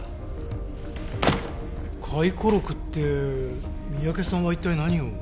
回顧録って三宅さんは一体何を？